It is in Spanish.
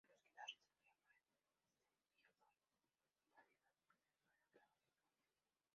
Los guitarristas Brian May y Steve Vai fueron invitados a la grabación igualmente.